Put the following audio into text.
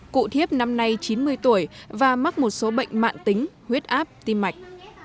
cụ thiếp năm nay chín mươi tuổi và mắc một số bệnh mạng tính huyết áp tim mạch